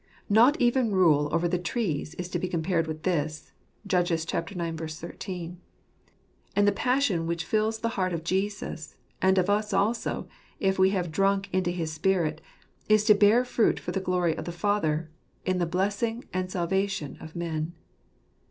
Not even rule over the trees is to be compared with this (Judges ix. 13). And the passion which fills the heart of Jesus, and of us also, if we have drunk into his spirit, is to bear fruit for the glory of the Father, in the blessing and salvation of men.